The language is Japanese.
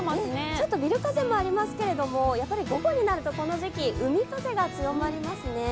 ちょっとビル風もありますけれども、やはり午後になるとこの時期、海風が強まりますね。